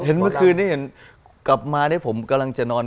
เมื่อคืนนี้เห็นกลับมานี่ผมกำลังจะนอน